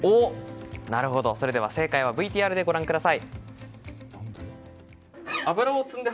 なるほど、それでは正解をＶＴＲでご覧ください。